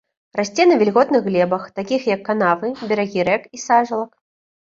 Расце на вільготных глебах, такіх як канавы, берагі рэк і сажалак.